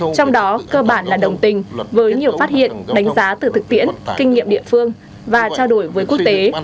trong đó cơ bản là đồng tình với nhiều phát hiện đánh giá từ thực tiễn kinh nghiệm địa phương và trao đổi với quốc tế